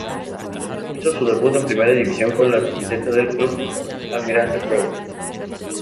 Hizo su debut en Primera división con la camiseta del Club Almirante Brown.